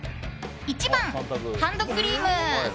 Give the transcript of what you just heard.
１番、ハンドクリーム。